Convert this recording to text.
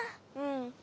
うん。